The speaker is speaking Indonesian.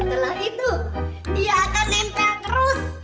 setelah itu dia akan nempel terus